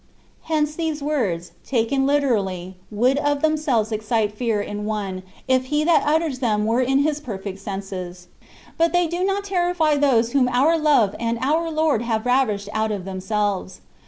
Hence these words, taken literally, would of themselves excite fear in one, if he that utters them were in his perfect senses. But they do not terrify those whom our Love and our Lord have ravished out of themselves.